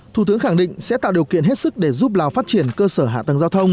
thủ tướng khẳng định sẽ tạo điều kiện hết sức để giúp lào phát triển cơ sở hạ tầng giao thông